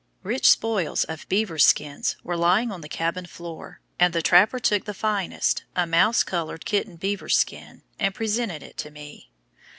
Rich spoils of beavers' skins were lying on the cabin floor, and the trapper took the finest, a mouse colored kitten beaver's skin, and presented it to me.